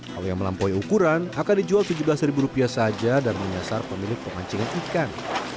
kalau yang melampaui ukuran akan dijual tujuh belas saja dan menyasar pemilik pemancingan ikan